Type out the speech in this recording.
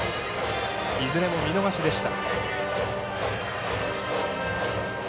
いずれも見逃しでした。